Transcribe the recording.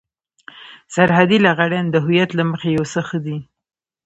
سرحدي لغړيان د هويت له مخې يو څه ښه دي.